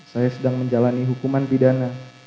saya sedang menjalani hukuman pidana